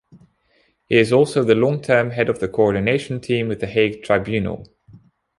He is also the long-term Head of the Coordination Team with the Hague Tribunal.